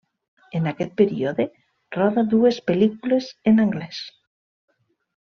En aquest període roda dues pel·lícules en anglès.